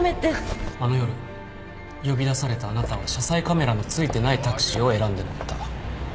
あの夜呼び出されたあなたは車載カメラのついてないタクシーを選んで乗った。